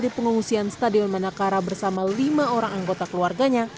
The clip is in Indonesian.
di pengungsian stadion manakara bersama lima orang anggota keluarganya